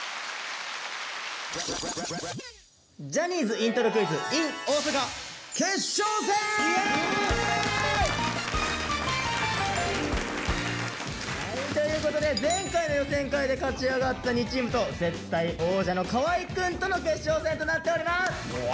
イエーイ！ということで前回の予選会で勝ち上がった２チームと絶対王者の河合くんとの決勝戦となっております。